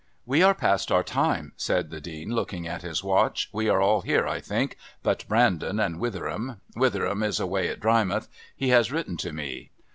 "We are past our time," said the Dean, looking at his watch. "We are all here, I think, but Brandon and Witheram. Witheram is away at Drymouth. He has written to me.